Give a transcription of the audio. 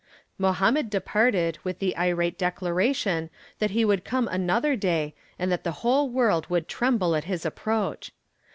Mohammed departed with the irate declaration that he would come another day and that the whole world would tremble at his approach.